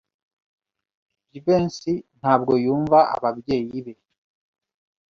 Jivency ntabwo yumva ababyeyi be.